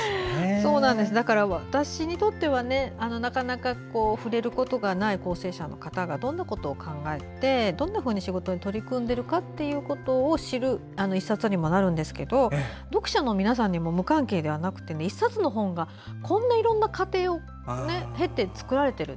だから、私にとってはなかなか触れることがない校正者の方がどんなことを考えてどんなふうに仕事に取り組んでいるかを知る１冊にもなるんですけど読者の皆さんにも無関係ではなく１冊の本がこんなにいろんな過程を経て作られている。